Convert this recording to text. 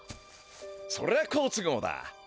そりゃ好都合だ。